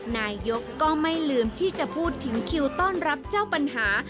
นายกก็ไม่ลืมที่จะพูดถึงคิวต้อนรับเจ้าปัญหา